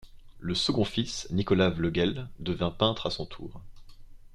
Le second fils, Nicolas Vleughels, devint peintre à son tour.